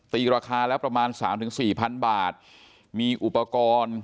ตีราคาแล้วประมาณ๓๔พันบาทมีอุปกรณ์